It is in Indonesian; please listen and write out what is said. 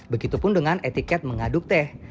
begitupun dengan etiket mengaduk teh